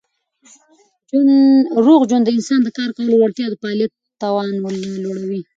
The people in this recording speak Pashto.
روغ ژوند د انسان د کار کولو وړتیا او د فعالیت توان لوړوي.